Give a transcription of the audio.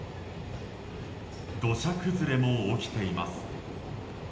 土砂崩れも起きています。